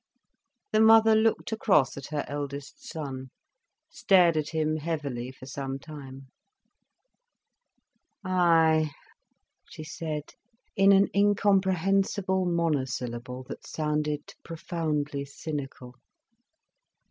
The mother looked across at her eldest son, stared at him heavily for some time. "Ay," she said, in an incomprehensible monosyllable, that sounded profoundly cynical.